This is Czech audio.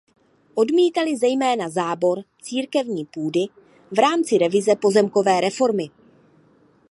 Odmítali zejména zábor církevní půdy v rámci revize pozemkové reformy.